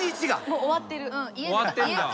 もう終わってる。